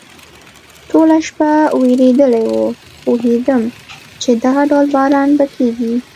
ټوله شپه ورېدلی و، پوهېدم چې دغه ډول باران به کېږي.